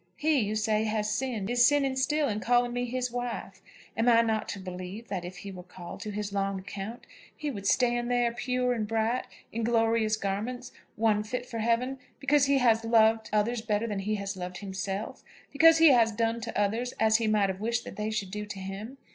He, you say, has sinned, is sinning still in calling me his wife. Am I not to believe that if he were called to his long account he would stand there pure and bright, in glorious garments, one fit for heaven, because he has loved others better than he has loved himself, because he has done to others as he might have wished that they should do to him?